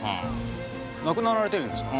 亡くなられてるんですか？